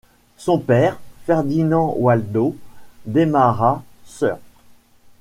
Son père, Ferdinand Waldo Demara, Sr.